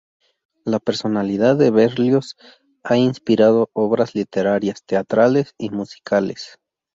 La personalidad de Berlioz ha inspirado obras literarias, teatrales y musicales.